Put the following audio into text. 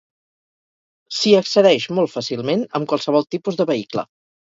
S'hi accedeix molt fàcilment amb qualsevol tipus de vehicle.